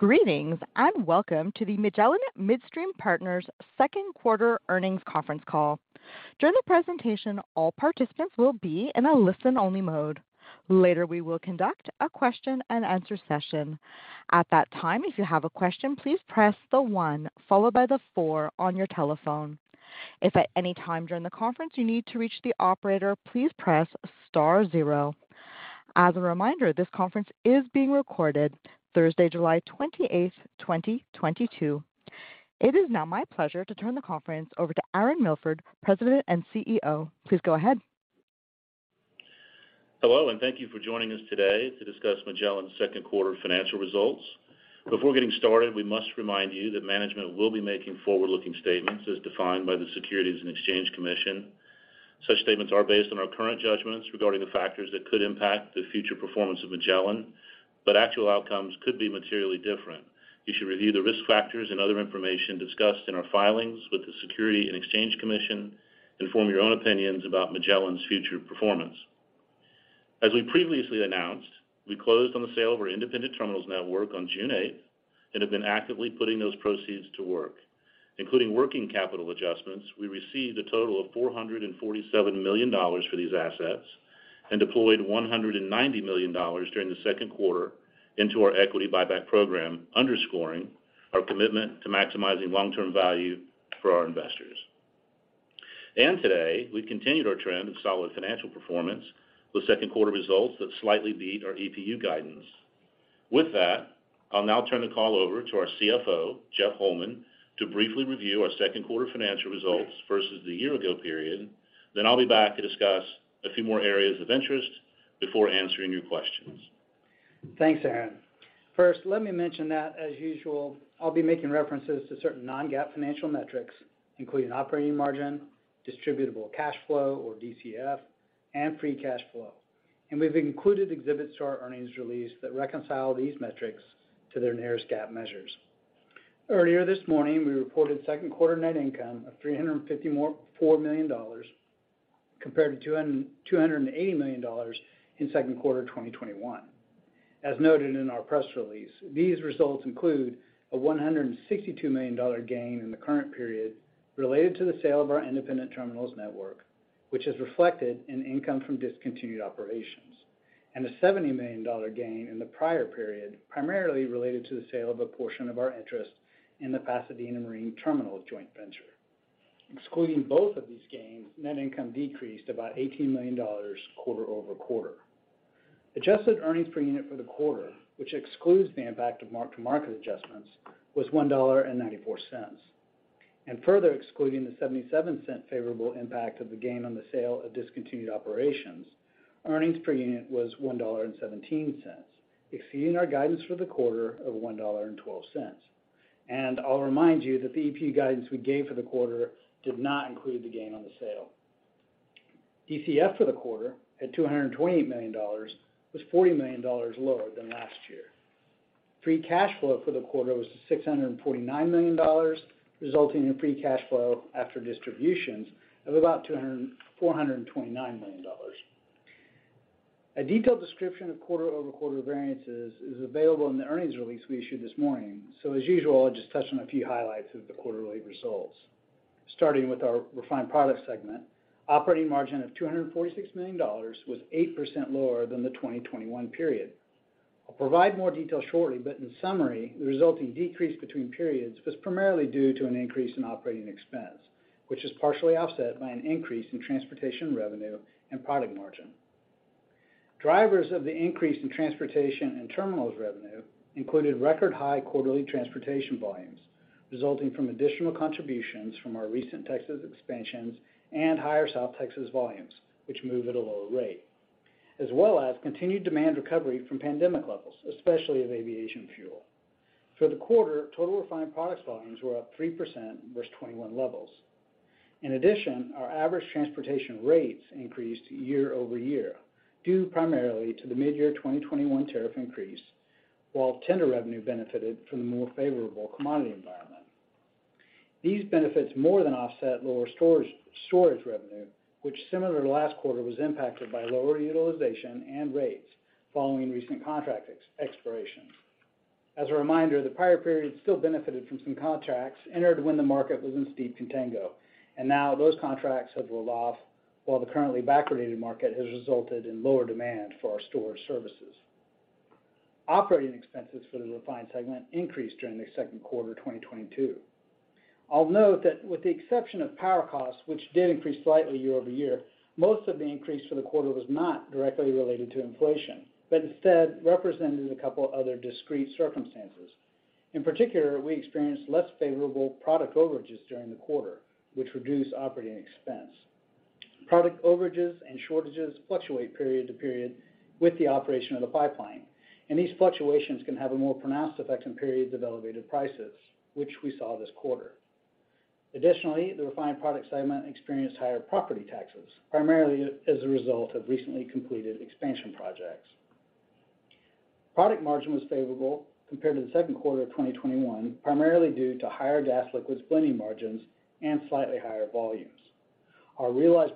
Greetings, and welcome to the Magellan Midstream Partners Q2 Earnings Conference Call. During the presentation, all participants will be in a listen-only mode. Later, we will conduct a question-and-answer session. At that time, if you have a question, please press the one followed by the four on your telephone. If at any time during the conference you need to reach the operator, please press star zero. As a reminder, this conference is being recorded Thursday, July 28, 2022. It is now my pleasure to turn the conference over to Aaron Milford, President and CEO. Please go ahead. Hello, and thank you for joining us today to discuss Magellan's Q2 financial results. Before getting started, we must remind you that management will be making forward-looking statements as defined by the Securities and Exchange Commission. Such statements are based on our current judgments regarding the factors that could impact the future performance of Magellan, but actual outcomes could be materially different. You should review the risk factors and other information discussed in our filings with the Securities and Exchange Commission and form your own opinions about Magellan's future performance. As we previously announced, we closed on the sale of our independent terminals network on June eighth and have been actively putting those proceeds to work. Including working capital adjustments, we received a total of $447 million for these assets and deployed $190 million during the Q2 into our equity buyback program, underscoring our commitment to maximizing long-term value for our investors. Today, we've continued our trend of solid financial performance with Q2 results that slightly beat our EPU guidance. With that, I'll now turn the call over to our CFO, Jeff Holman, to briefly review our Q2 financial results versus the year ago period. I'll be back to discuss a few more areas of interest before answering your questions. Thanks, Aaron. First, let me mention that, as usual, I'll be making references to certain non-GAAP financial metrics, including operating margin, distributable cash flow or DCF, and free cash flow. We've included exhibits to our earnings release that reconcile these metrics to their nearest GAAP measures. Earlier this morning, we reported Q2 net income of $354 million compared to $280 million in Q2 2021. As noted in our press release, these results include a $162 million gain in the current period related to the sale of our independent terminals network, which is reflected in income from discontinued operations, and a $70 million gain in the prior period, primarily related to the sale of a portion of our interest in the Pasadena Marine Terminal joint venture. Excluding both of these gains, net income decreased about $18 million quarter over quarter. Adjusted earnings per unit for the quarter, which excludes the impact of mark-to-market adjustments, was $1.94. Further excluding the $0.77. Favorable impact of the gain on the sale of discontinued operations, earnings per unit was $1.17, exceeding our guidance for the quarter of $1.12. I'll remind you that the EPU guidance we gave for the quarter did not include the gain on the sale. DCF for the quarter, at $228 million, was $40 million lower than last year. Free cash flow for the quarter was $649 million, resulting in free cash flow after distributions of about $429 million. A detailed description of quarter-over-quarter variances is available in the earnings release we issued this morning. As usual, I'll just touch on a few highlights of the quarterly results. Starting with our refined products segment, operating margin of $246 million was 8% lower than the 2021 period. I'll provide more detail shortly, but in summary, the resulting decrease between periods was primarily due to an increase in operating expense, which is partially offset by an increase in transportation revenue and product margin. Drivers of the increase in transportation and terminals revenue included record high quarterly transportation volumes resulting from additional contributions from our recent Texas expansions and higher South Texas volumes, which move at a lower rate, as well as continued demand recovery from pandemic levels, especially of aviation fuel. For the quarter, total refined products volumes increased 3% versus 2021 levels. In addition, our average transportation rates increased year-over-year due primarily to the mid-year 2021 tariff increase, while tender revenue benefited from the more favorable commodity environment. These benefits more than offset lower storage revenue, which, similar to last quarter, was impacted by lower utilization and rates following recent contract expiration. As a reminder, the prior period still benefited from some contracts entered when the market was in steep contango, and now those contracts have rolled off, while the currently backwardated market has resulted in lower demand for our storage services. Operating expenses for the refined segment increased during the Q2 2022. I'll note that with the exception of power costs, which did increase slightly year-over-year, most of the increase for the quarter was not directly related to inflation, but instead represented a couple other discrete circumstances. In particular, we experienced less favorable product overages during the quarter, which reduced operating expense. Product overages and shortages fluctuate period to period with the operation of the pipeline, and these fluctuations can have a more pronounced effect in periods of elevated prices, which we saw this quarter. Additionally, the refined product segment experienced higher property taxes, primarily as a result of recently completed expansion projects. Product margin was favorable compared to the Q2 2021, primarily due to higher gas liquids blending margins and slightly higher volumes. Our realized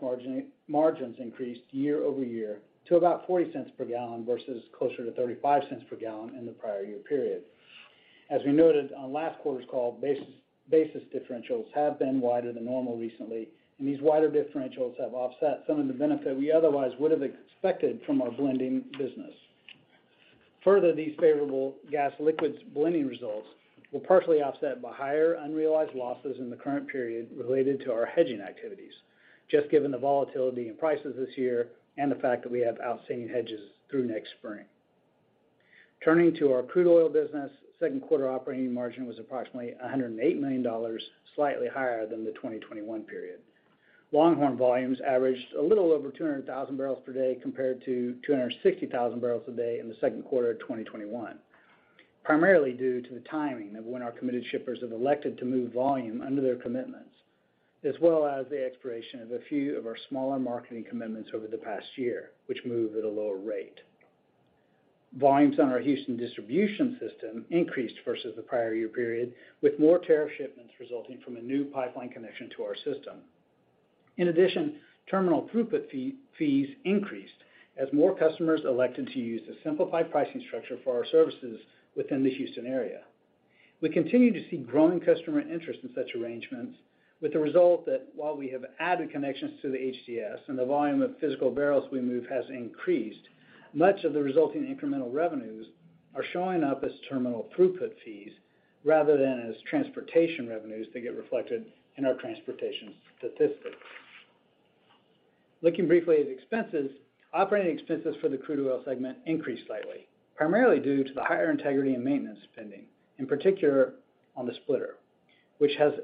margins increased year-over-year to about $0.40 per gallon versus closer to $0.35 per gallon in the prior year period. As we noted on last quarter's call, basis differentials have been wider than normal recently, and these wider differentials have offset some of the benefit we otherwise would have expected from our blending business. Further, these favorable gas liquids blending results were partially offset by higher unrealized losses in the current period related to our hedging activities, just given the volatility in prices this year and the fact that we have outstanding hedges through next spring. Turning to our crude oil business, Q2 operating margin was approximately $108 million, slightly higher than the 2021 period. Longhorn volumes averaged a little over 200,000 barrels per day compared to 260,000 barrels per day in the Q2 2021, primarily due to the timing of when our committed shippers have elected to move volume under their commitments, as well as the expiration of a few of our smaller marketing commitments over the past year, which move at a lower rate. Volumes on our Houston distribution system increased versus the prior year period, with more tariff shipments resulting from a new pipeline connection to our system. In addition, terminal throughput fees increased as more customers elected to use the simplified pricing structure for our services within the Houston area. We continue to see growing customer interest in such arrangements, with the result that while we have added connections to the HDS and the volume of physical barrels we move has increased, much of the resulting incremental revenues are showing up as terminal throughput fees rather than as transportation revenues that get reflected in our transportation statistics. Looking briefly at expenses, operating expenses for the crude oil segment increased slightly, primarily due to the higher integrity and maintenance spending, in particular on the splitter, which had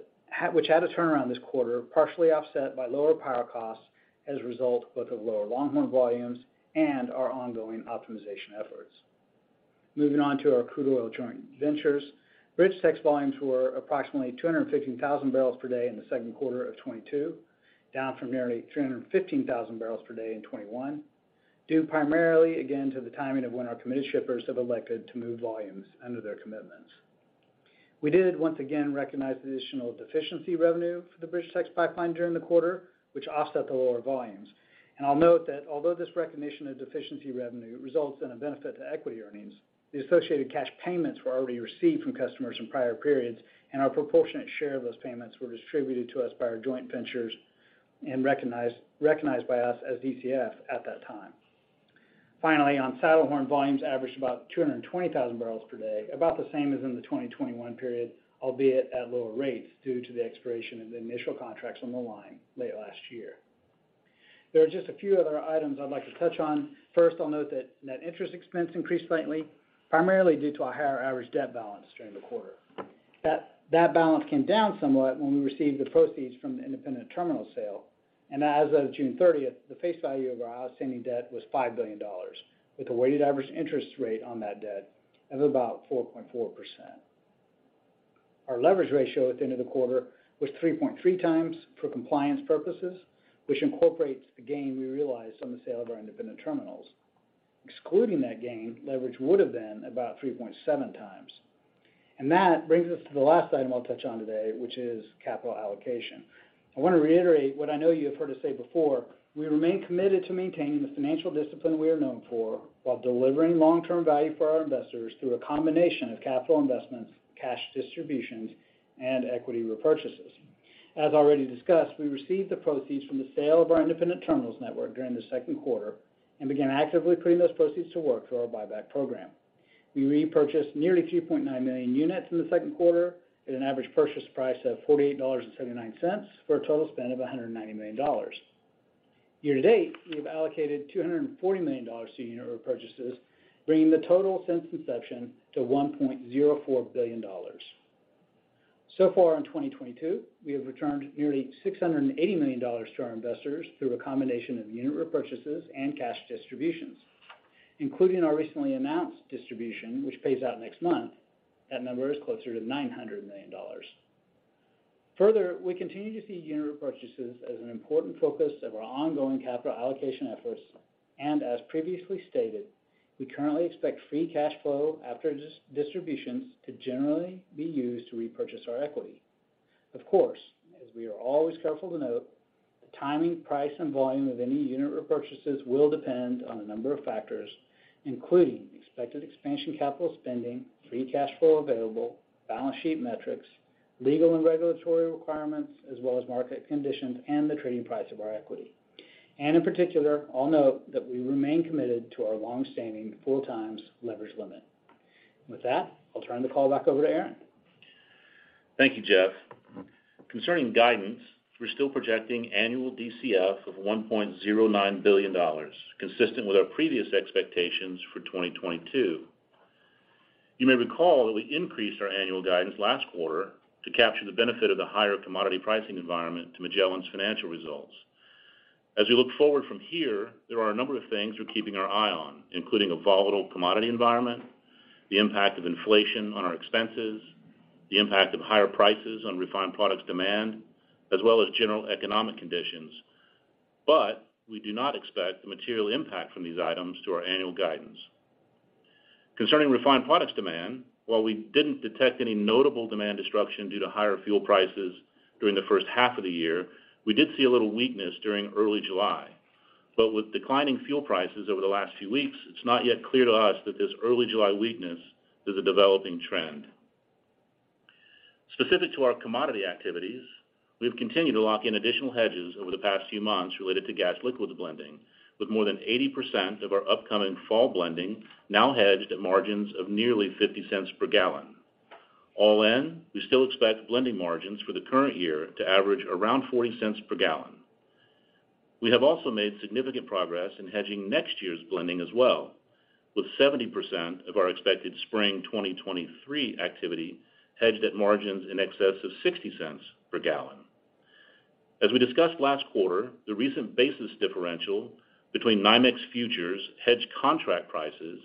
a turnaround this quarter, partially offset by lower power costs as a result both of lower Longhorn volumes and our ongoing optimization efforts. Moving on to our crude oil joint ventures. BridgeTex volumes were approximately 215,000 barrels per day in Q2 2022, down from nearly 315,000 barrels per day in 2021, due primarily again to the timing of when our committed shippers have elected to move volumes under their commitments. We did once again recognize the additional deficiency revenue for the BridgeTex pipeline during the quarter, which offset the lower volumes. I'll note that although this recognition of deficiency revenue results in a benefit to equity earnings, the associated cash payments were already received from customers in prior periods, and our proportionate share of those payments were distributed to us by our joint ventures and recognized by us as DCF at that time. Finally, on Saddlehorn, volumes averaged about 220,000 barrels per day, about the same as in the 2021 period, albeit at lower rates due to the expiration of the initial contracts on the line late last year. There are just a few other items I'd like to touch on. First, I'll note that net interest expense increased slightly, primarily due to a higher average debt balance during the quarter. That balance came down somewhat when we received the proceeds from the independent terminal sale. As of June 30, the face value of our outstanding debt was $5 billion, with a weighted average interest rate on that debt of about 4.4%. Our leverage ratio at the end of the quarter was 3.3x for compliance purposes, which incorporates the gain we realized on the sale of our independent terminals. Excluding that gain, leverage would have been about 3.7x. That brings us to the last item I'll touch on today, which is capital allocation. I want to reiterate what I know you have heard us say before, we remain committed to maintaining the financial discipline we are known for while delivering long-term value for our investors through a combination of capital investments, cash distributions, and equity repurchases. As already discussed, we received the proceeds from the sale of our independent terminals network during the Q2 and began actively putting those proceeds to work through our buyback program. We repurchased nearly 2.9 million units in the Q2 at an average purchase price of $48.79 per unit, for a total spend of $190 million. Year to date, we have allocated $240 million to unit repurchases, bringing the total since inception to $1.04 billion. So far in 2022, we have returned nearly $680 million to our investors through a combination of unit repurchases and cash distributions, including our recently announced distribution, which pays out next month. That number is closer to $900 million. Further, we continue to see unit repurchases as an important focus of our ongoing capital allocation efforts, and as previously stated, we currently expect free cash flow after distributions to generally be used to repurchase our equity. Of course, as we are always careful to note, the timing, price, and volume of any unit repurchases will depend on a number of factors, including expected expansion capital spending, free cash flow available, balance sheet metrics, legal and regulatory requirements, as well as market conditions and the trading price of our equity. In particular, I'll note that we remain committed to our long-standing four times leverage limit. With that, I'll turn the call back over to Aaron. Thank you, Jeff. Concerning guidance, we're still projecting annual DCF of $1.09 billion, consistent with our previous expectations for 2022. You may recall that we increased our annual guidance last quarter to capture the benefit of the higher commodity pricing environment to Magellan's financial results. As we look forward from here, there are a number of things we're keeping our eye on, including a volatile commodity environment, the impact of inflation on our expenses, the impact of higher prices on refined products demand, as well as general economic conditions. We do not expect a material impact from these items to our annual guidance. Concerning refined products demand, while we didn't detect any notable demand destruction due to higher fuel prices during the first half of the year, we did see a little weakness during early July. With declining fuel prices over the last few weeks, it's not yet clear to us that this early July weakness is a developing trend. Specific to our commodity activities, we've continued to lock in additional hedges over the past few months related to gas liquids blending, with more than 80% of our upcoming fall blending now hedged at margins of nearly $0.50 per gallon. All in, we still expect blending margins for the current year to average around $0.40 per gallon. We have also made significant progress in hedging next year's blending as well, with 70% of our expected spring 2023 activity hedged at margins in excess of $0.60 per gallon. As we discussed last quarter, the recent basis differential between NYMEX futures, hedged contract prices,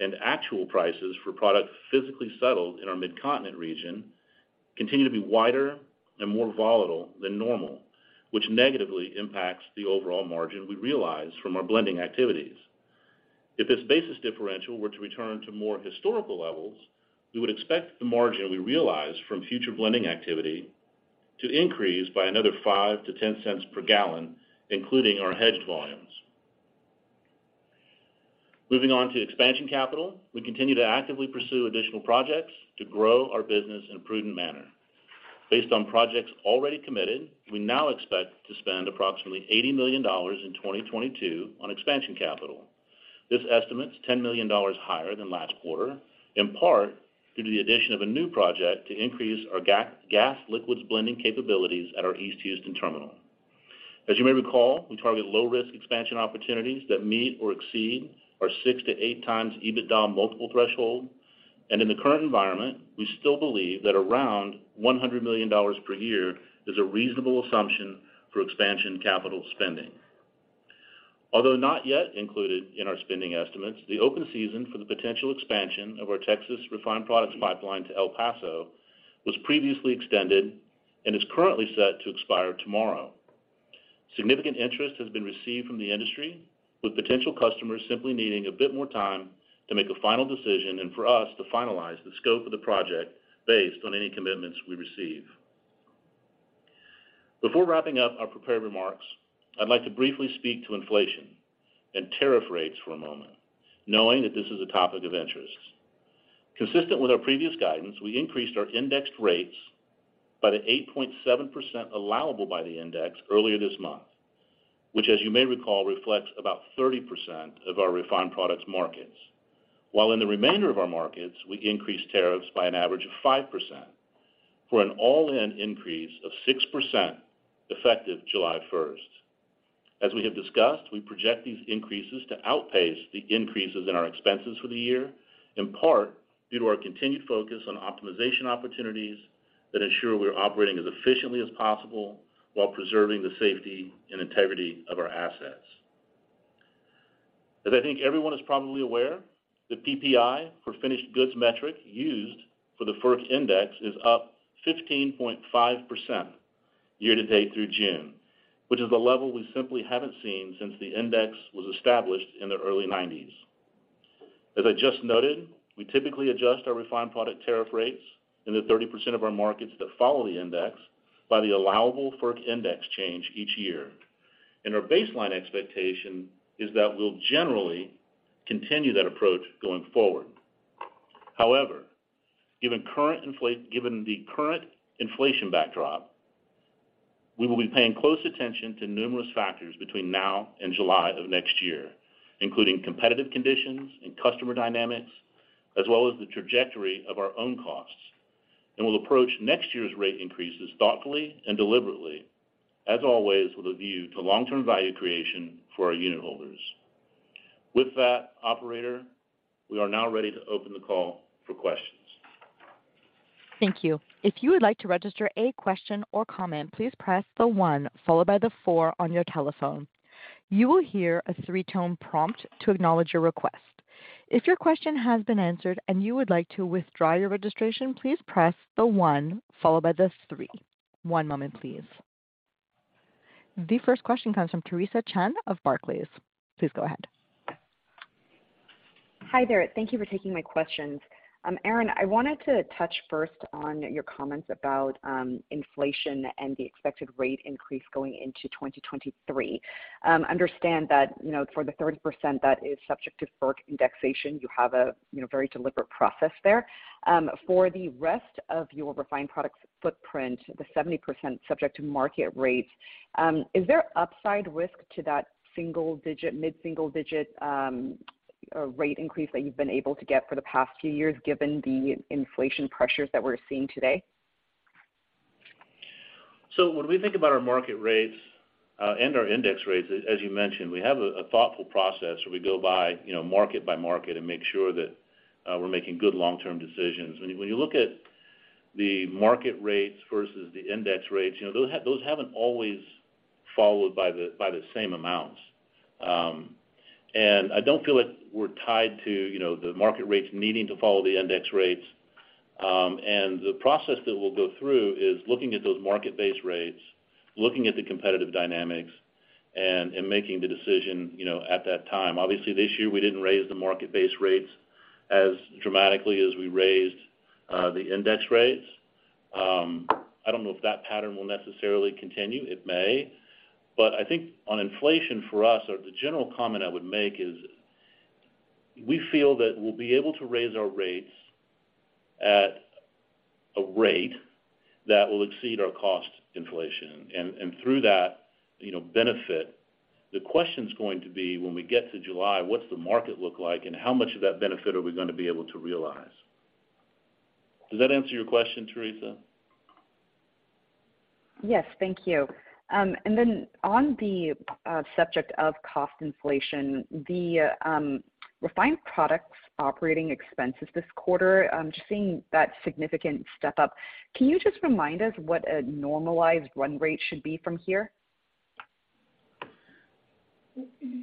and actual prices for products physically settled in our Midcontinent region continue to be wider and more volatile than normal, which negatively impacts the overall margin we realize from our blending activities. If this basis differential were to return to more historical levels, we would expect the margin we realize from future blending activity to increase by another $0.05-$0.10 per gallon, including our hedged volumes. Moving on to expansion capital. We continue to actively pursue additional projects to grow our business in a prudent manner. Based on projects already committed, we now expect to spend approximately $80 million in 2022 on expansion capital. This estimate is $10 million higher than last quarter, in part due to the addition of a new project to increase our gas liquids blending capabilities at our East Houston terminal. As you may recall, we target low-risk expansion opportunities that meet or exceed our 6.0x-8.0x EBITDA multiple threshold. In the current environment, we still believe that around $100 million per year is a reasonable assumption for expansion capital spending. Although not yet included in our spending estimates, the open season for the potential expansion of our Texas refined products pipeline to El Paso was previously extended and is currently set to expire tomorrow. Significant interest has been received from the industry, with potential customers simply needing a bit more time to make a final decision and for us to finalize the scope of the project based on any commitments we receive. Before wrapping up our prepared remarks, I'd like to briefly speak to inflation and tariff rates for a moment, knowing that this is a topic of interest. Consistent with our previous guidance, we increased our indexed rates by the 8.7% allowable by the index earlier this month, which, as you may recall, reflects about 30% of our refined products markets. While in the remainder of our markets, we increased tariffs by an average of 5% for an all-in increase of 6%, effective July 1. As we have discussed, we project these increases to outpace the increases in our expenses for the year, in part due to our continued focus on optimization opportunities that ensure we're operating as efficiently as possible while preserving the safety and integrity of our assets. As I think everyone is probably aware, the PPI for finished goods metric used for the first index is up 15.5% year to date through June, which is a level we simply haven't seen since the index was established in the early 1990s. As I just noted, we typically adjust our refined product tariff rates in the 30% of our markets that follow the index by the allowable FERC index change each year. Our baseline expectation is that we'll generally continue that approach going forward. However, given the current inflation backdrop, we will be paying close attention to numerous factors between now and July of next year, including competitive conditions and customer dynamics, as well as the trajectory of our own costs. We'll approach next year's rate increases thoughtfully and deliberately, as always, with a view to long-term value creation for our unit holders. With that, operator, we are now ready to open the call for questions. Thank you. If you would like to register a question or comment, please press the one followed by the four on your telephone. You will hear a three-tone prompt to acknowledge your request. If your question has been answered and you would like to withdraw your registration, please press the one followed by the three. One moment, please. The first question comes from Theresa Chen of Barclays. Please go ahead. Hi there. Thank you for taking my questions. Aaron, I wanted to touch first on your comments about inflation and the expected rate increase going into 2023. Understand that, you know, for the 30% that is subject to FERC indexation, you have a you know very deliberate process there. For the rest of your refined products footprint, the 70% subject to market rates, is there upside risk to that mid-single digit rate increase that you've been able to get for the past few years given the inflation pressures that we're seeing today? When we think about our market rates and our index rates, as you mentioned, we have a thoughtful process where we go by, market by market and make sure that we're making good long-term decisions. When you look at the market rates versus the index rates, you know, those haven't always followed by the same amounts. I don't feel like we're tied to, the market rates needing to follow the index rates. The process that we'll go through is looking at those market-based rates, looking at the competitive dynamics, and making the decision, you know, at that time. Obviously, this year, we didn't raise the market-based rates as dramatically as we raised the index rates. I don't know if that pattern will necessarily continue. It may. I think on inflation for us or the general comment I would make is we feel that we'll be able to raise our rates at a rate that will exceed our cost inflation and through that, you know, benefit. The question's going to be when we get to July, what's the market look like and how much of that benefit are we gonna be able to realize? Does that answer your question, Teresa? Yes. Thank you. On the subject of cost inflation, the refined products operating expenses this quarter, I'm just seeing that significant step-up. Can you just remind us what a normalized run rate should be from here?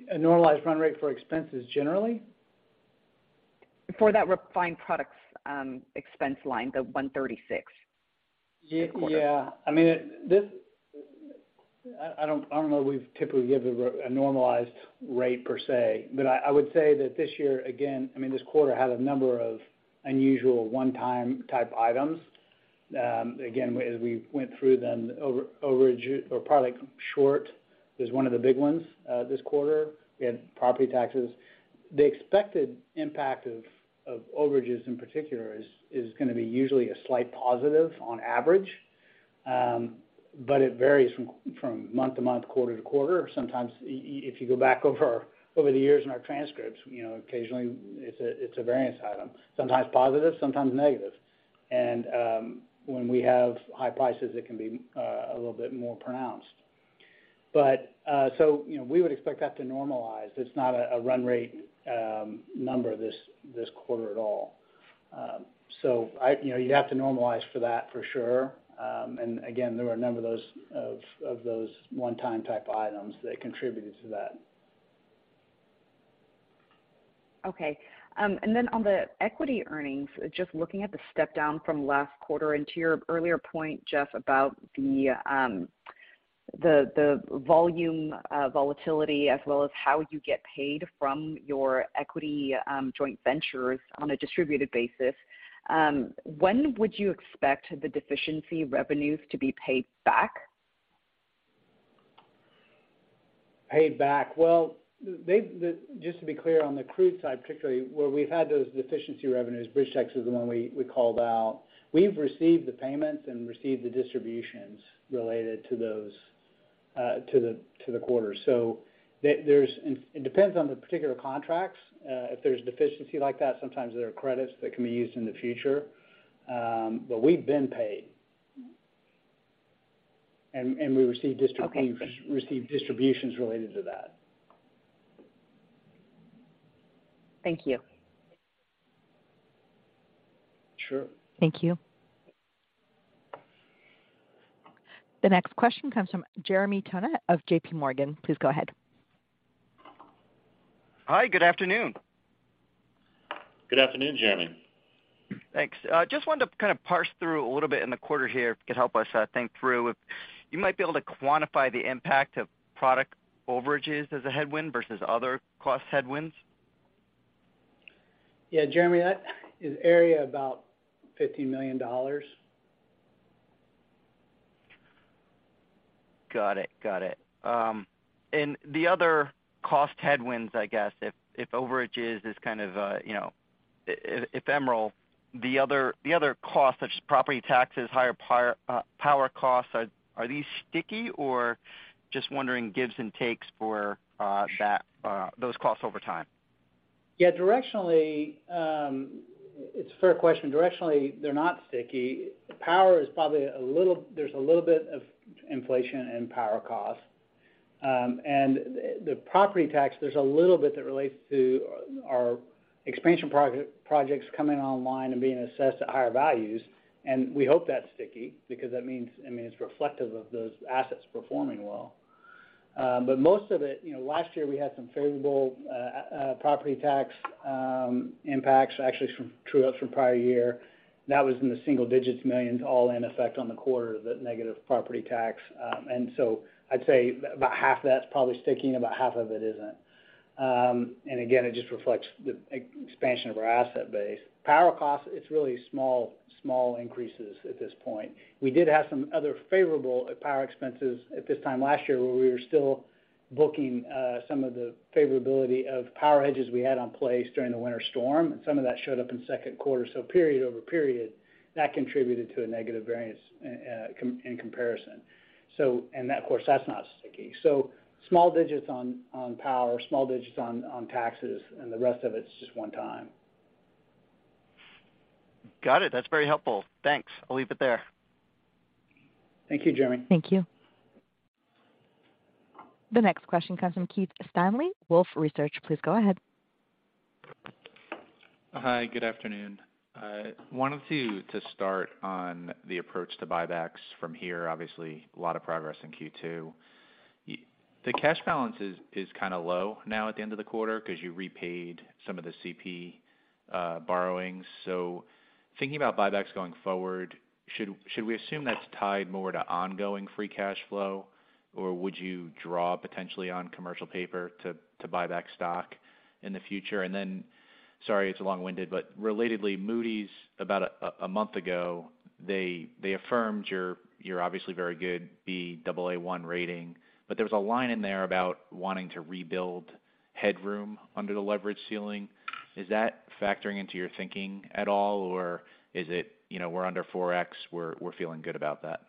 A normalized run rate for expenses generally? For that refined products expense line, the $136 million for the quarter. Yeah. I don't know if we've typically given a normalized rate per se. I would say that this year, again, I mean, this quarter had a number of unusual one-time type items. Again, as we went through them or product shortage is one of the big ones, this quarter. We had property taxes. The expected impact of overages in particular is gonna be usually a slight positive on average. But it varies from month to month, quarter-to-quarter. Sometimes if you go back over the years in our transcripts, occasionally it's a variance item, sometimes positive, sometimes negative. When we have high prices, it can be a little bit more pronounced. So, we would expect that to normalize. It's not a run rate number this quarter at all. You'd have to normalize for that for sure. Again, there were a number of those one-time type items that contributed to that. Okay. On the equity earnings, just looking at the step down from last quarter, to your earlier point, Jeff, about the volume volatility as well as how you get paid from your equity joint ventures on a distributed basis, when would you expect the deficiency revenues to be paid back? Paid back. To be clear, on the crude side particularly, where we've had those deficiency revenues, BridgeTex is the one we called out. We've received the payments and received the distributions related to those to the quarter. There's and it depends on the particular contracts, if there's deficiency like that, sometimes there are credits that can be used in the future. We've been paid. Mm-hmm. We received. Okay. We've received distributions related to that. Thank you. Sure. Thank you. The next question comes from Jeremy Tonet of J.P. Morgan. Please go ahead. Hi. Good afternoon. Good afternoon, Jeremy. Thanks. I just wanted to kind of parse through a little bit in the quarter here, if you could help us, think through if you might be able to quantify the impact of product overages as a headwind versus other cost headwinds? Yeah. Jeremy, that is an area about $50 million. Got it. The other cost headwinds, I guess, if overages is kind of, you know, ephemeral, the other costs such as property taxes, higher power costs, are these sticky or just the give and takes for those costs over time? Yeah. Directionally, it's a fair question. Directionally, they're not sticky. Power is probably a little. There's a little bit of inflation in power costs. The property tax, there's a little bit that relates to our expansion projects coming online and being assessed at higher values, and we hope that's sticky because that means, I mean, it's reflective of those assets performing well. Most of it, last year we had some favorable property tax impacts actually from true-ups from prior year. That was in the $1 million-$9 million all in effect on the quarter, the negative property tax. I'd say about half that's probably sticking, about half of it isn't. Again, it just reflects the expansion of our asset base. Power costs, it's really small increases at this point. We did have some other favorable power expenses at this time last year, where we were still booking some of the favorability of power hedges we had in place during the winter storm, and some of that showed up in Q2. Period-over-period, that contributed to a negative variance in comparison. That, of course, that's not sticky. Small digits on power, small digits on taxes, and the rest of it's just one time. Got it. That's very helpful. Thanks. I'll leave it there. Thank you, Jeremy. Thank you. The next question comes from Keith Stanley, Wolfe Research. Please go ahead. Hi. Good afternoon. I wanted to start on the approach to buybacks from here. Obviously, a lot of progress in Q2. The cash balance is kind of low now at the end of the quarter because you repaid some of the CP borrowings. Thinking about buybacks going forward, should we assume that's tied more to ongoing free cash flow? Or would you draw potentially on commercial paper to buy back stock in the future? Sorry, it's long-winded, but relatedly, Moody's, about a month ago, they affirmed your obviously very good Baa1 rating. There was a line in there about wanting to rebuild headroom under the leverage ceiling. Is that factoring into your thinking at all? Or is it, we're under 4.0x, we're feeling good about that?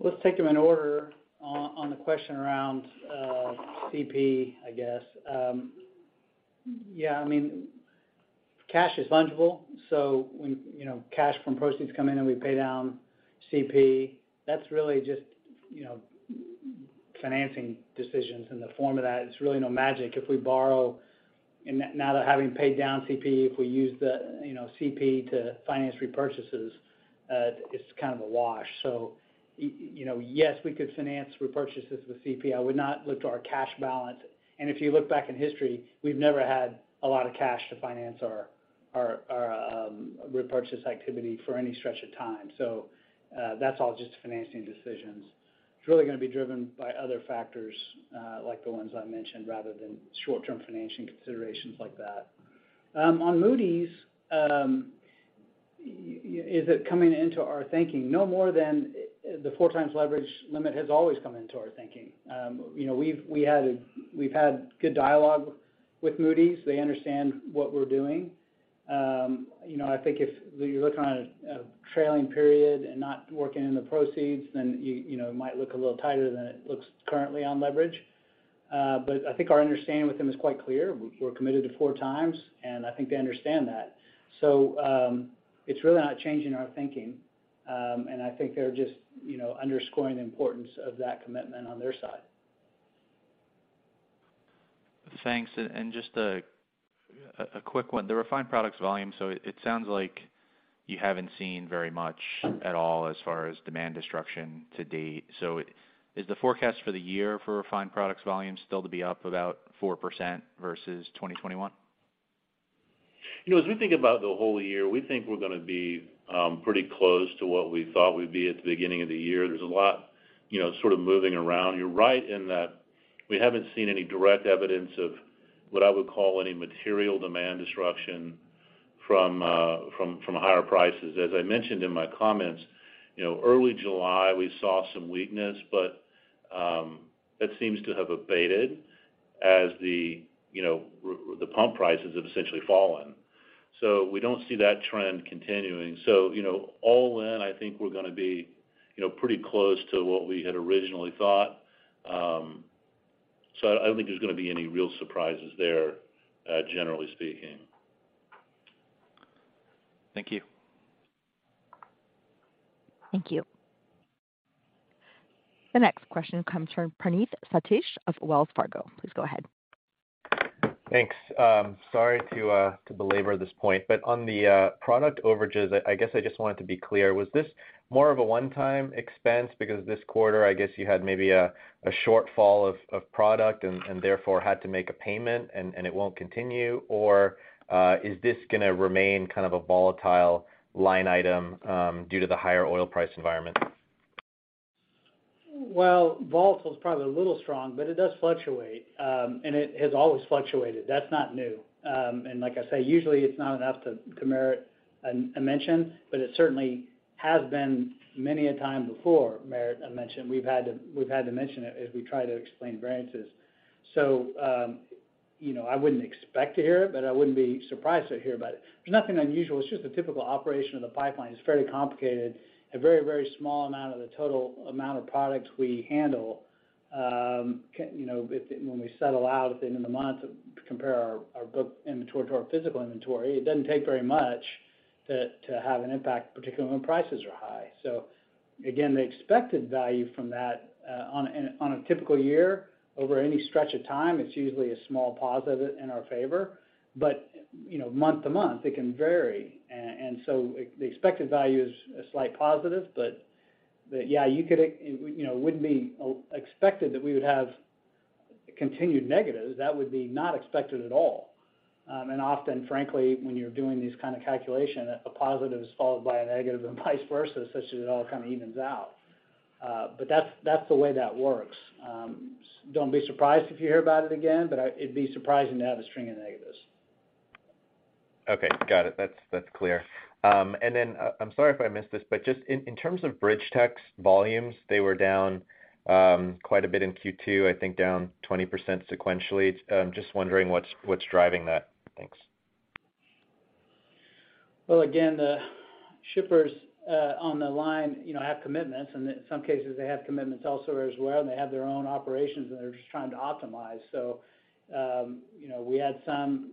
Let's take them in order. On the question around CP, I guess. Yeah, I mean, cash is fungible. When, you know, cash from proceeds come in and we pay down CP, that's really just, financing decisions in the form of that. It's really no magic. If we borrow, and now that having paid down CP, if we use the, CP to finance repurchases, it's kind of a wash. Yes, we could finance repurchases with CP. I would not look to our cash balance. If you look back in history, we've never had a lot of cash to finance our repurchase activity for any stretch of time. That's all just financing decisions. It's really gonna be driven by other factors, like the ones I mentioned, rather than short-term financing considerations like that. On Moody's, is it coming into our thinking? No more than the 4.0x leverage limit has always come into our thinking. We've had good dialogue with Moody's. They understand what we're doing. I think if you're looking on a trailing period and not working in the proceeds, then you know, it might look a little tighter than it looks currently on leverage. I think our understanding with them is quite clear. We're committed to 4.0x, and I think they understand that. It's really not changing our thinking. I think they're just , underscoring the importance of that commitment on their side. Thanks. Just a quick one. The refined products volume, so it sounds like you haven't seen very much at all as far as demand destruction to date. Is the forecast for the year for refined products volume still to be up about 4% versus 2021? As we think about the whole year, we think we're gonna be pretty close to what we thought we'd be at the beginning of the year. There's a lot, sort of moving around. You're right in that we haven't seen any direct evidence of what I would call any material demand destruction from higher prices. As I mentioned in my comments, early July, we saw some weakness, but that seems to have abated as the, you know, the pump prices have essentially fallen. We don't see that trend continuing. All in, I think we're gonna be, you know, pretty close to what we had originally thought. I don't think there's gonna be any real surprises there, generally speaking. Thank you. Thank you. The next question comes from Praneeth Satish of Wells Fargo. Please go ahead. Thanks. Sorry to belabor this point, but on the product overages, I guess I just wanted to be clear. Was this more of a one-time expense because this quarter, I guess you had maybe a shortfall of product and therefore had to make a payment and it won't continue? Or, is this gonna remain kind of a volatile line item, due to the higher oil price environment? Well, volatile is probably a little strong, but it does fluctuate, and it has always fluctuated. That's not new. Like I say, usually it's not enough to merit a mention, but it certainly has been many a time before merit a mention. We've had to mention it as we try to explain variances. I wouldn't expect to hear it, but I wouldn't be surprised to hear about it. There's nothing unusual. It's just the typical operation of the pipeline. It's fairly complicated. A very, very small amount of the total amount of products we handle, when we settle out at the end of the month to compare our book inventory to our physical inventory, it doesn't take very much to have an impact, particularly when prices are high. Again, the expected value from that, on a typical year over any stretch of time, it's usually a small positive in our favor. Month-to-month, it can vary. So the expected value is a slight positive. Yeah, you could, you know, it wouldn't be expected that we would have continued negatives. That would be not expected at all. Often, frankly, when you're doing these kind of calculation, a positive is followed by a negative and vice versa, such that it all kind of evens out. That's the way that works. Don't be surprised if you hear about it again, but it'd be surprising to have a string of negatives. Okay. Got it. That's clear. I'm sorry if I missed this, but just in terms of BridgeTex volumes, they were down quite a bit in Q2, I think down 20% sequentially. Just wondering what's driving that. Thanks. Well, again, the shippers on the line, you know, have commitments, and in some cases, they have commitments elsewhere as well, and they have their own operations that they're just trying to optimize. You know, we had some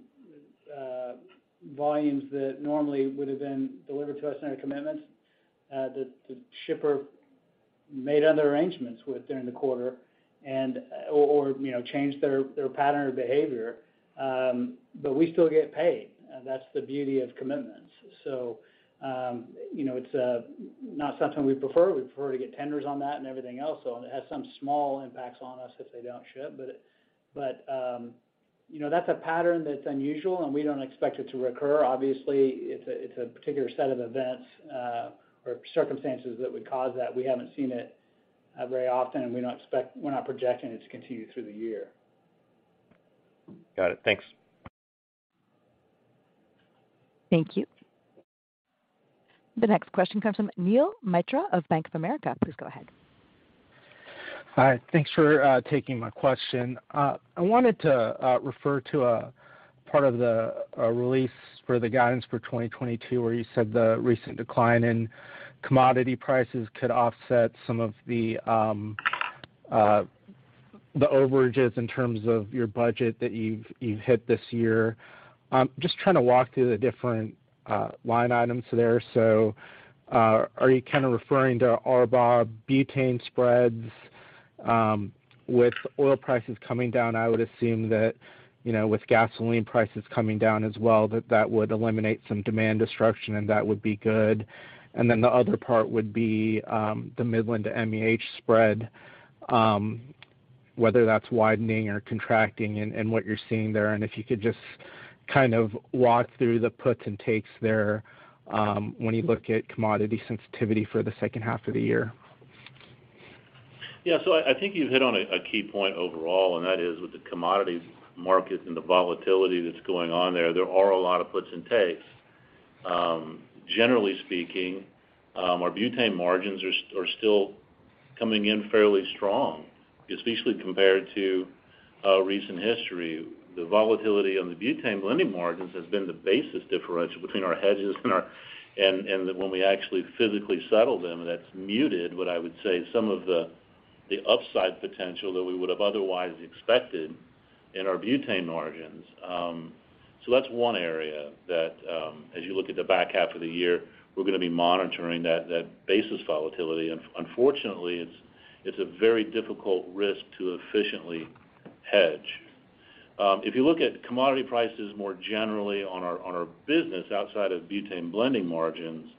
volumes that normally would have been delivered to us in our commitments, that the shipper made other arrangements with during the quarter and, or, changed their pattern of behavior. We still get paid. That's the beauty of commitments. You know, it's not something we prefer. We prefer to get tenders on that and everything else. It has some small impacts on us if they don't ship. You know, that's a pattern that's unusual, and we don't expect it to recur. Obviously, it's a particular set of events or circumstances that would cause that. We haven't seen it very often, and we're not projecting it to continue through the year. Got it. Thanks. Thank you. The next question comes from Neil Mehta of Bank of America. Please go ahead. Hi. Thanks for taking my question. I wanted to refer to a part of the release for the guidance for 2022, where you said the recent decline in commodity prices could offset some of the overages in terms of your budget that you've hit this year. Just trying to walk through the different line items there. Are you kind of referring to RBOB-butane spreads? With oil prices coming down, I would assume that you know, with gasoline prices coming down as well, that would eliminate some demand destruction, and that would be good. Then the other part would be the Midland-to-MEH spread, whether that's widening or contracting and what you're seeing there. If you could just kind of walk through the puts and takes there, when you look at commodity sensitivity for the H2 of the year. Yeah. I think you've hit on a key point overall, and that is with the commodities market and the volatility that's going on there are a lot of puts and takes. Generally speaking, our butane margins are still coming in fairly strong, especially compared to recent history. The volatility on the butane blending margins has been the basis differential between our hedges and when we actually physically settle them, that's muted what I would say some of the upside potential that we would have otherwise expected in our butane margins. That's one area that, as you look at the back half of the year, we're gonna be monitoring that basis volatility. Unfortunately, it's a very difficult risk to efficiently hedge. If you look at commodity prices more generally on our business outside of butane blending margins,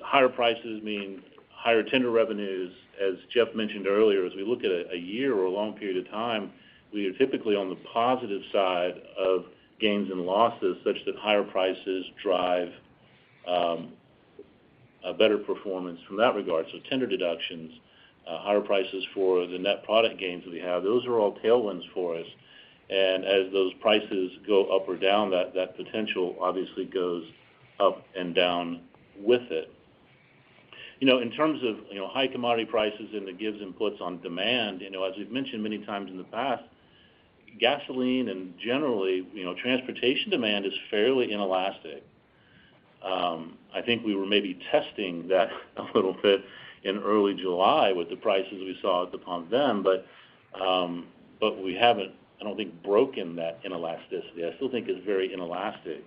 higher prices mean higher tender revenues. As Jeff mentioned earlier, as we look at a year or a long period of time, we are typically on the positive side of gains and losses such that higher prices drive a better performance from that regard. Tender deductions, higher prices for the net product gains we have, those are all tailwinds for us. As those prices go up or down, that potential obviously goes up and down with it. In terms of high commodity prices and the gives and puts on demand, as we've mentioned many times in the past, gasoline and generally, transportation demand is fairly inelastic. I think we were maybe testing that a little bit in early July with the prices we saw at the pump then. We haven't, I don't think, broken that inelasticity. I still think it's very inelastic.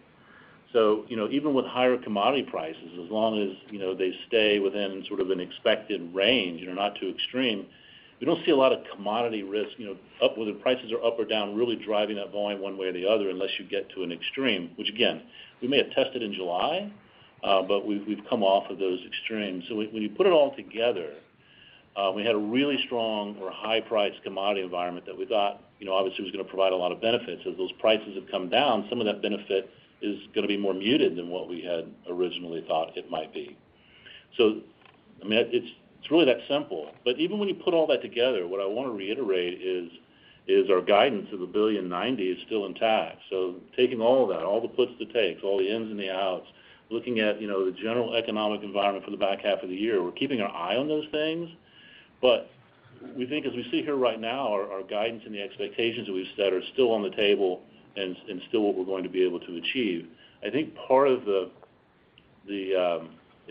Even with higher commodity prices, as long as, they stay within sort of an expected range and are not too extreme, we don't see a lot of commodity risk, you know, whether prices are up or down, really driving that volume one way or the other unless you get to an extreme, which again, we may have tested in July, but we've come off of those extremes. When you put it all together, we had a really strong or high-priced commodity environment that we thought, obviously was gonna provide a lot of benefits. As those prices have come down, some of that benefit is gonna be more muted than what we had originally thought it might be. I mean, it's really that simple. Even when you put all that together, what I wanna reiterate is our guidance of $1.09 billion is still intact. Taking all of that, all the puts, the takes, all the ins and the outs, looking at, the general economic environment for the back half of the year, we're keeping our eye on those things. We think as we sit here right now, our guidance and the expectations that we've set are still on the table and still what we're going to be able to achieve. I think part of the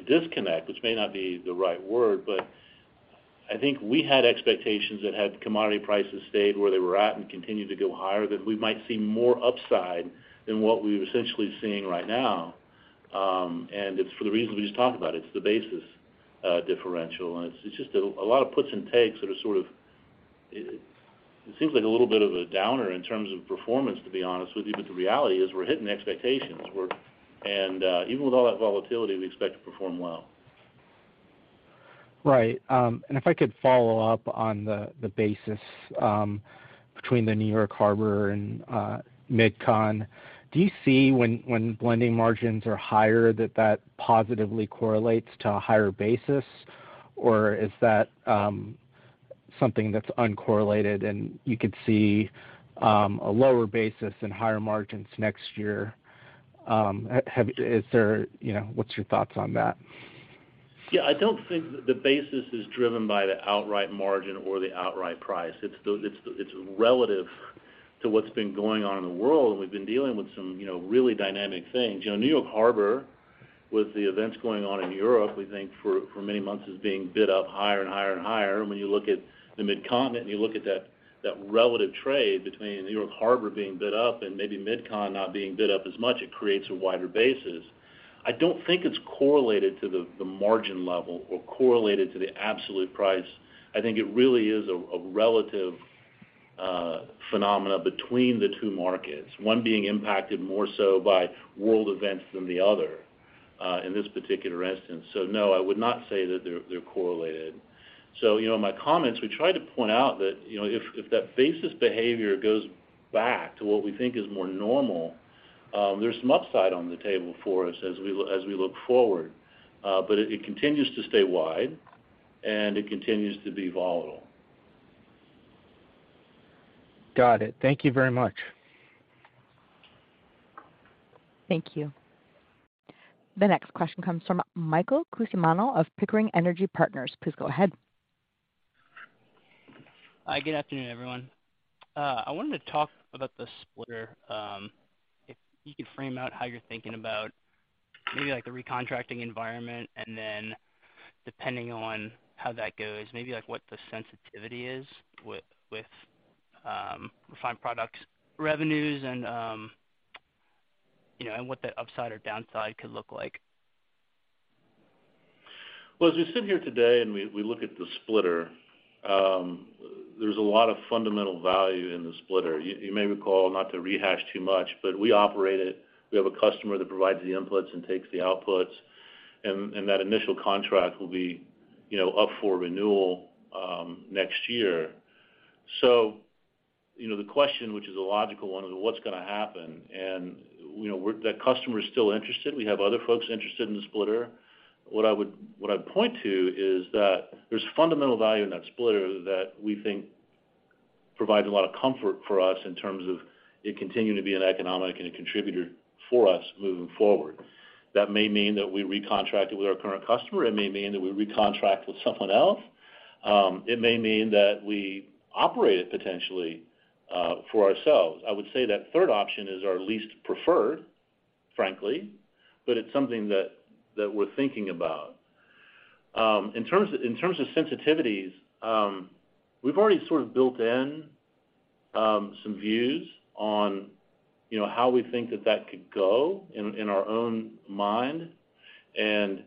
disconnect, which may not be the right word, but I think we had expectations that had commodity prices stayed where they were at and continued to go higher, that we might see more upside than what we're essentially seeing right now. It's for the reasons we just talked about. It's the basis differential, and it's just a lot of puts and takes. It seems like a little bit of a downer in terms of performance, to be honest with you. But the reality is we're hitting expectations. Even with all that volatility, we expect to perform well. Right. If I could follow up on the basis between the New York Harbor and Midcontinent region. Do you see when blending margins are higher that positively correlates to a higher basis? Or is that something that's uncorrelated and you could see a lower basis and higher margins next year? Is there, you know, what's your thoughts on that? Yeah. I don't think the basis is driven by the outright margin or the outright price. It's relative to what's been going on in the world, and we've been dealing with some, you know, really dynamic things. You know, New York Harbor, with the events going on in Europe, we think for many months is being bid up higher and higher and higher. When you look at the Midcontinent and you look at that relative trade between New York Harbor being bid up and maybe Midcontinent not being bid up as much, it creates a wider basis. I don't think it's correlated to the margin level or correlated to the absolute price. I think it really is a relative phenomenon between the two markets, one being impacted more so by world events than the other, in this particular instance. No, I would not say that they're correlated. In my comments, we try to point out that, if that basis behavior goes back to what we think is more normal, there's some upside on the table for us as we look forward. But it continues to stay wide and it continues to be volatile. Got it. Thank you very much. Thank you. The next question comes from Michael Cusimano of Pickering Energy Partners. Please go ahead. Hi. Good afternoon, everyone. I wanted to talk about the splitter. If you could frame out how you're thinking about maybe like the recontracting environment, and then depending on how that goes, maybe like what the sensitivity is with, refined products revenues and, and what that upside or downside could look like. Well, as we sit here today and we look at the splitter, there's a lot of fundamental value in the splitter. You may recall, not to rehash too much, but we operate it. We have a customer that provides the inputs and takes the outputs, and that initial contract will be, up for renewal, next year. The question, which is a logical one, is what's gonna happen? You know, that customer is still interested. We have other folks interested in the splitter. What I'd point to is that there's fundamental value in that splitter that we think provides a lot of comfort for us in terms of it continuing to be an economic and a contributor for us moving forward. That may mean that we recontract it with our current customer. It may mean that we recontract with someone else. It may mean that we operate it potentially for ourselves. I would say that third option is our least preferred, frankly, but it's something that we're thinking about. In terms of sensitivities, we've already sort of built in some views on, how we think that could go in our own mind, and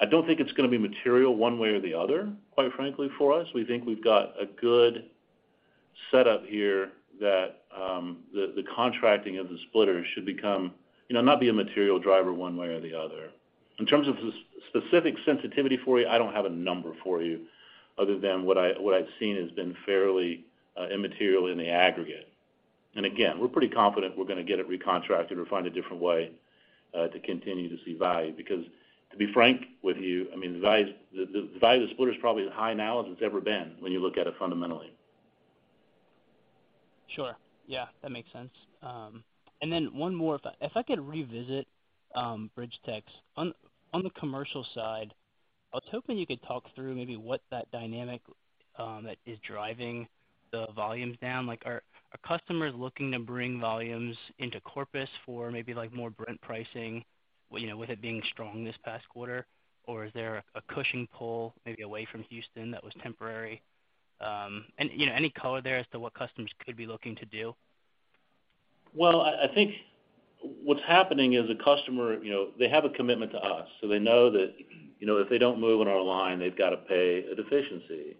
I don't think it's gonna be material one way or the other, quite frankly, for us. We think we've got a good setup here that the contracting of the splitter should become, not be a material driver one way or the other. In terms of the specific sensitivity for you, I don't have a number for you other than what I've seen has been fairly immaterial in the aggregate. again, we're pretty confident we're gonna get it recontracted or find a different way to continue to see value. Because to be frank with you, I mean, the value of the splitter is probably as high now as it's ever been when you look at it fundamentally. Sure. Yeah, that makes sense. Then one more. If I could revisit BridgeTex. On the commercial side, I was hoping you could talk through maybe what that dynamic that is driving the volumes down. Like, are customers looking to bring volumes into Corpus Christi for maybe like more Brent-linked pricing, you know, with it being strong this past quarter? Or is there a Cushing pull maybe away from Houston that was temporary? You know, any color there as to what customers could be looking to do? Well, I think what's happening is the customer, you know, they have a commitment to us, so they know that, you know, if they don't move on our line, they've got to pay a deficiency.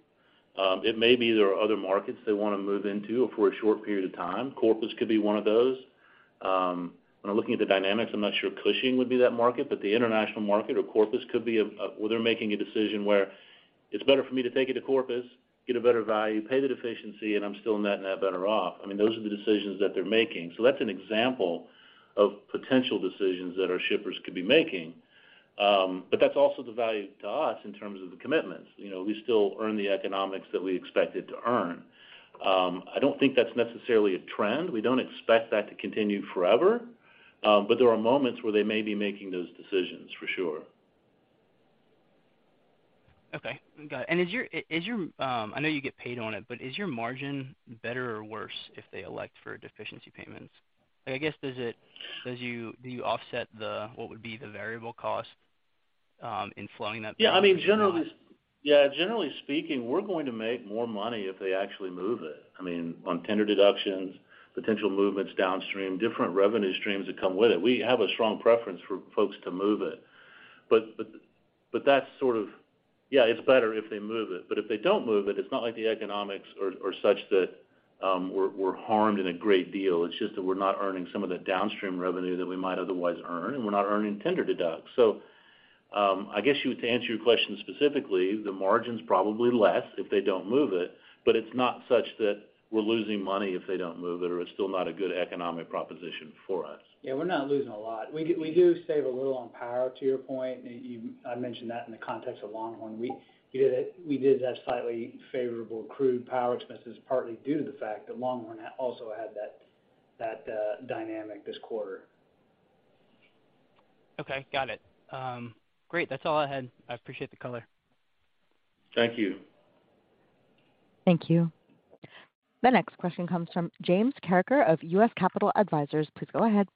It may be there are other markets they wanna move into for a short period of time. Corpus could be one of those. When I'm looking at the dynamics, I'm not sure Cushing would be that market, but the international market or Corpus Christi could be a where they're making a decision where it's better for me to take it to Corpus Christi, get a better value, pay the deficiency, and I'm still net better off. I mean, those are the decisions that they're making. That's an example of potential decisions that our shippers could be making. That's also the value to us in terms of the commitments. You know, we still earn the economics that we expected to earn. I don't think that's necessarily a trend. We don't expect that to continue forever, but there are moments where they may be making those decisions for sure. Okay. Got it. Is your margin better or worse if they elect for deficiency payments? I guess, do you offset what would be the variable cost in flowing that? Yeah. I mean, generally. Not? Yeah. Generally speaking, we're going to make more money if they actually move it. I mean, on tender deductions, potential movements downstream, different revenue streams that come with it. We have a strong preference for folks to move it. But that's sort of. Yeah, it's better if they move it, but if they don't move it's not like the economics are such that we're harmed in a great deal. It's just that we're not earning some of the downstream revenue that we might otherwise earn, and we're not earning tender deduct. I guess to answer your question specifically, the margin's probably less if they don't move it, but it's not such that we're losing money if they don't move it, or it's still not a good economic proposition for us. Yeah, we're not losing a lot. We do save a little on power, to your point. I mentioned that in the context of Longhorn. We did have slightly favorable crude power expenses partly due to the fact that Longhorn also had that dynamic this quarter. Okay. Got it. Great. That's all I had. I appreciate the color. Thank you. Thank you. The next question comes from James Carreker of U.S. Capital Advisors. Please go ahead.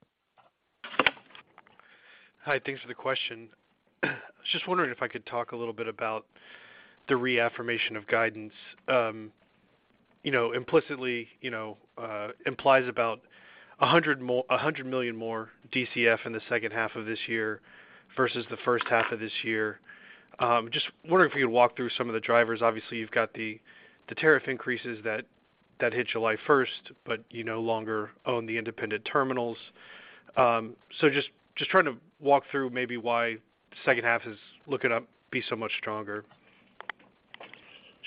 Hi. Thanks for the question. Just wondering if I could talk a little bit about the reaffirmation of guidance. Implicitly implies about $100 million more DCF in the second half of this year versus the first half of this year. Just wondering if you'd walk through some of the drivers. Obviously, you've got the tariff increases that hit July 1, but you no longer own the independent terminals. Trying to walk through maybe why second half is looking to be so much stronger.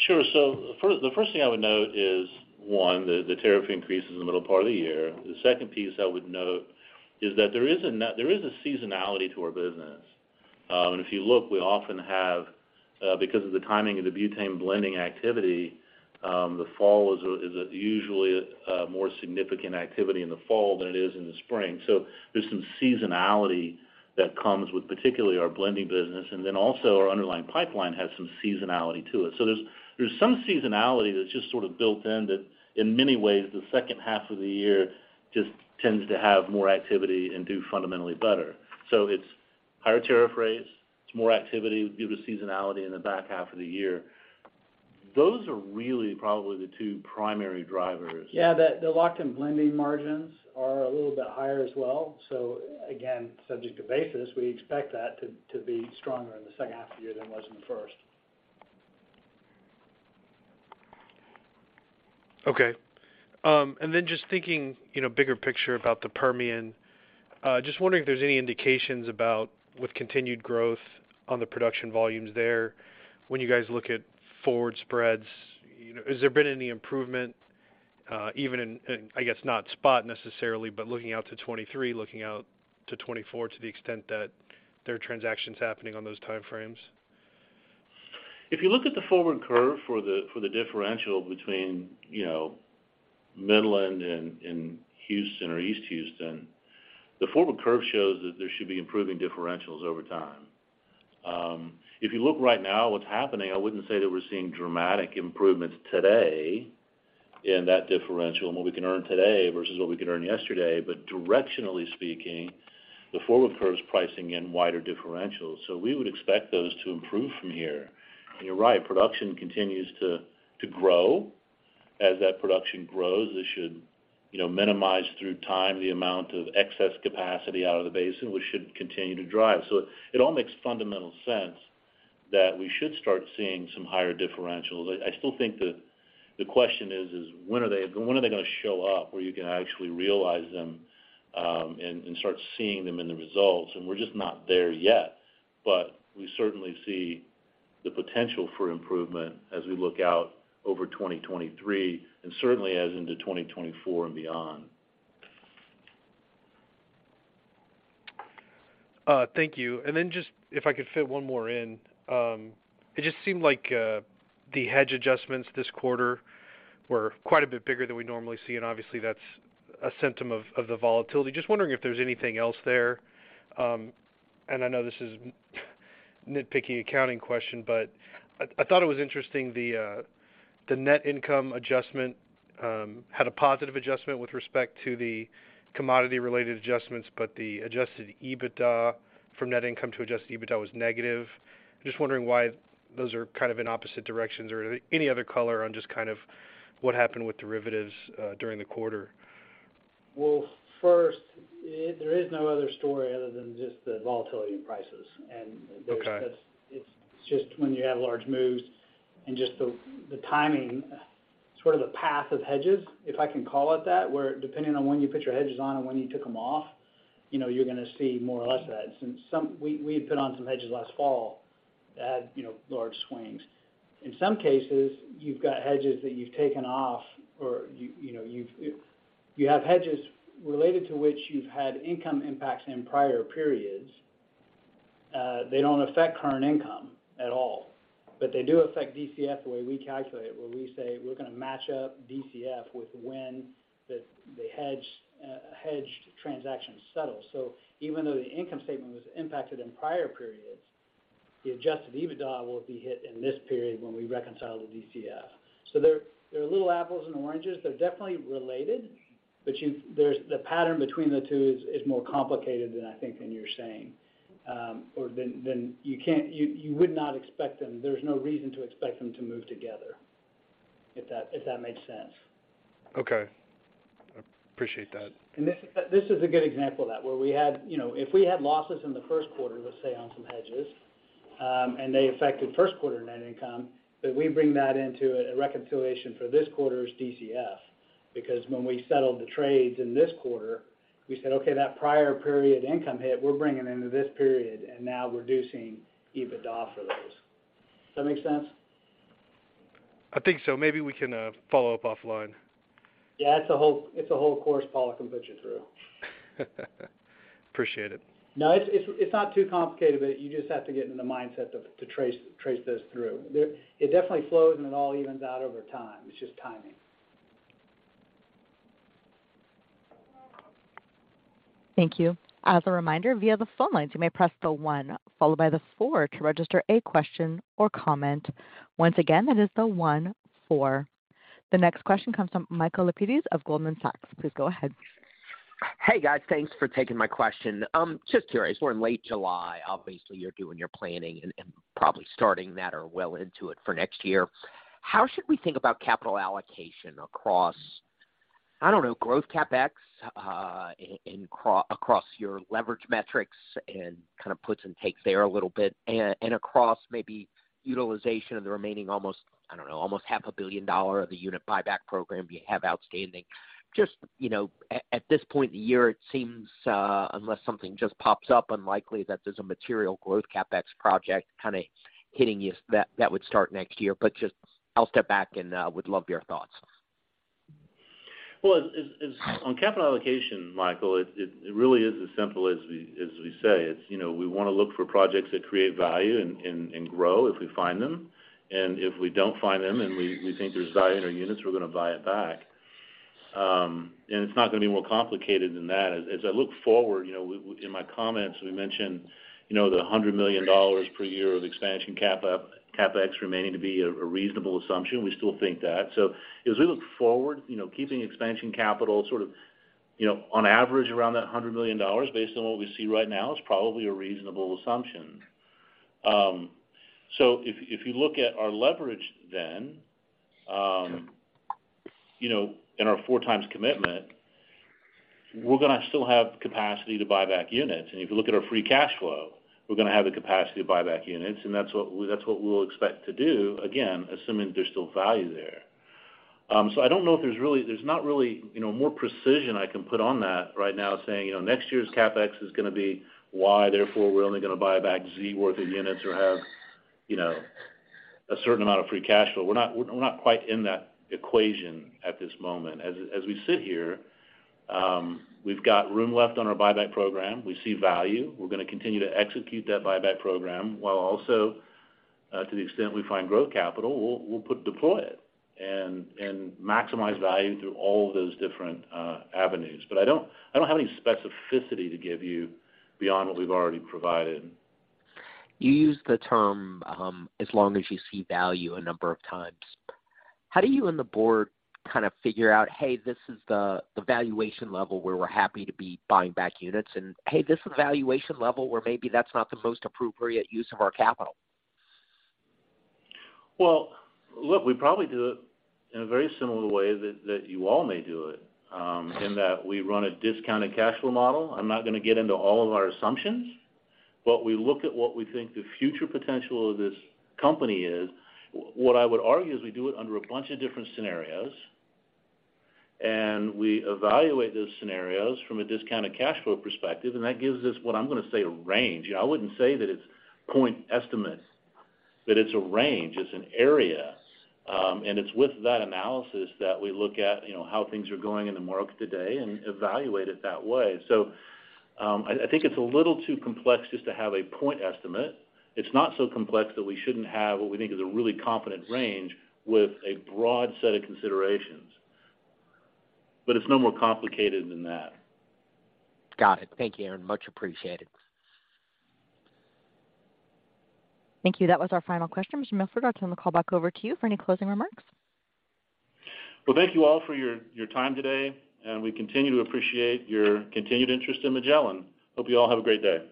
Sure. The first thing I would note is, one, the tariff increase is in the middle part of the year. The second piece I would note is that there is a seasonality to our business. If you look, we often have, because of the timing of the butane blending activity, the fall is usually more significant activity in the fall than it is in the spring. There's some seasonality that comes with particularly our blending business, and then also our underlying pipeline has some seasonality to it. There's some seasonality that's just sort of built in that in many ways, the H2 of the year just tends to have more activity and do fundamentally better. It's higher tariff rates, it's more activity due to seasonality in the back half of the year. Those are really probably the two primary drivers. Yeah, the locked-in blending margins are a little bit higher as well. Again, subject to basis, we expect that to be stronger in the second half of the year than it was in the first. Okay. Just thinking, you know, bigger picture about the Permian, just wondering if there's any indications about with continued growth on the production volumes there, when you guys look at forward spreads, you know, has there been any improvement, even in I guess not spot necessarily, but looking out to 2023, looking out to 2024, to the extent that there are transactions happening on those timeframes? If you look at the forward curve for the differential between, you know, Midland and Houston or East Houston, the forward curve shows that there should be improving differentials over time. If you look right now what's happening, I wouldn't say that we're seeing dramatic improvements today in that differential and what we can earn today versus what we could earn yesterday. Directionally speaking, the forward curve is pricing in wider differentials. We would expect those to improve from here. You're right, production continues to grow. As that production grows, it should, minimize through time the amount of excess capacity out of the basin, which should continue to drive. It all makes fundamental sense that we should start seeing some higher differentials. I still think the question is when are they gonna show up, where you can actually realize them, and start seeing them in the results? We're just not there yet, but we certainly see the potential for improvement as we look out over 2023, and certainly as into 2024 and beyond. Thank you. Just if I could fit one more in. It just seemed like the hedge adjustments this quarter were quite a bit bigger than we normally see, and obviously, that's a symptom of the volatility. Just wondering if there's anything else there. I know this is nitpicky accounting question, but I thought it was interesting the net income adjustment had a positive adjustment with respect to the commodity-related adjustments, but the adjusted EBITDA from net income to adjusted EBITDA was negative. Just wondering why those are kind of in opposite directions or any other color on just kind of what happened with derivatives during the quarter. Well, first, there is no other story other than just the volatility in prices. Okay. It's just when you have large moves and just the timing, sort of the path of hedges, if I can call it that, where depending on when you put your hedges on and when you took them off, you know, you're gonna see more or less that. We had put on some hedges last fall that had, you know, large swings. In some cases, you've got hedges that you've taken off or you have hedges related to which you've had income impacts in prior periods. They don't affect current income at all, but they do affect DCF the way we calculate it, where we say we're gonna match up DCF with when the hedged transaction settles. Even though the income statement was impacted in prior periods, the adjusted EBITDA will be hit in this period when we reconcile the DCF. They're a little apples and oranges. They're definitely related, but the pattern between the two is more complicated than I think than you're saying, or you would not expect them to move together. There's no reason to expect them to move together, if that makes sense. Okay. I appreciate that. This is a good example of that, where we had, you know, if we had losses in the Q1, let's say on some hedges, and they affected first quarter net income, then we bring that into a reconciliation for this quarter's DCF. Because when we settled the trades in this quarter, we said, "Okay, that prior period income hit, we're bringing into this period and now reducing EBITDA for those." Does that make sense? I think so. Maybe we can follow up offline. Yeah, it's a whole course Paul can put you through. Appreciate it. No, it's not too complicated, but you just have to get in the mindset to trace this through. There, it definitely flows, and it all evens out over time. It's just timing. Thank you. As a reminder, via the phone lines, you may press the one followed by the four to register a question or comment. Once again, that is the one, four. The next question comes from Michael Lapides of Goldman Sachs. Please go ahead. Hey, guys. Thanks for taking my question. Just curious, we're in late July. Obviously, you're doing your planning and probably starting that or well into it for next year. How should we think about capital allocation across, I don't know, growth CapEx, in across your leverage metrics and kind of puts and takes there a little bit and across maybe utilization of the remaining almost, I don't know, almost half a billion dollar of the unit buyback program you have outstanding. Just, at this point in the year, it seems, unless something just pops up, unlikely that there's a material growth CapEx project kinda hitting you that would start next year. Just I'll step back and would love your thoughts. Well, as on capital allocation, Michael, it really is as simple as we say. It's, we wanna look for projects that create value and grow if we find them. If we don't find them and we think there's value in our units, we're gonna buy it back. And it's not gonna be more complicated than that. As I look forward, in my comments, we mentioned, the $100 million per year of expansion CapEx remaining to be a reasonable assumption. We still think that. As we look forward, keeping expansion capital sort on average around that $100 million based on what we see right now is probably a reasonable assumption. If you look at our leverage then, and our 4.0x commitment, we're gonna still have capacity to buy back units. If you look at our free cash flow, we're gonna have the capacity to buy back units, and that's what we'll expect to do, again, assuming there's still value there. I don't know. There's not really, more precision I can put on that right now saying, next year's CapEx is gonna be Y, therefore we're only gonna buy back Z worth of units or have, a certain amount of free cash flow. We're not quite in that equation at this moment. As we sit here, we've got room left on our buyback program. We see value. We're gonna continue to execute that buyback program while also, to the extent we find growth capital, we'll deploy it and maximize value through all of those different avenues. I don't have any specificity to give you beyond what we've already provided. You used the term, as long as you see value a number of times. How do you and the board kind of figure out, hey, this is the valuation level where we're happy to be buying back units, and hey, this is the valuation level where maybe that's not the most appropriate use of our capital? Well, look, we probably do it in a very similar way that you all may do it, in that we run a discounted cash flow model. I'm not gonna get into all of our assumptions, but we look at what we think the future potential of this company is. What I would argue is we do it under a bunch of different scenarios, and we evaluate those scenarios from a discounted cash flow perspective, and that gives us what I'm gonna say a range. You know, I wouldn't say that it's point estimates, that it's a range, it's an area. It's with that analysis that we look at, you know, how things are going in the market today and evaluate it that way. I think it's a little too complex just to have a point estimate. It's not so complex that we shouldn't have what we think is a really confident range with a broad set of considerations. It's no more complicated than that. Got it. Thank you, Aaron. Much appreciated. Thank you. That was our final question. Aaron Milford, I'll turn the call back over to you for any closing remarks. Well, thank you all for your time today, and we continue to appreciate your continued interest in Magellan. Hope you all have a great day.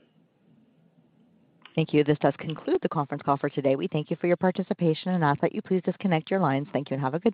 Thank you. This does conclude the conference call for today. We thank you for your participation and ask that you please disconnect your lines. Thank you, and have a good day.